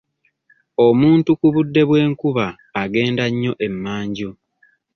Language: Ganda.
Omuntu ku budde bw'enkuba agenda nnyo emanju.